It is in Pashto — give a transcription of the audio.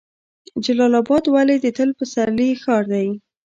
جلال اباد ولې د تل پسرلي ښار دی؟